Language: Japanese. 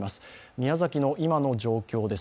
宮崎の今の状況です。